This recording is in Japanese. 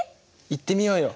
行ってみようよ。